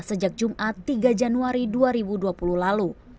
sejak jumat tiga januari dua ribu dua puluh lalu